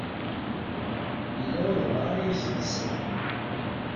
Yella walebɛaḍ i ak-d-isawlen.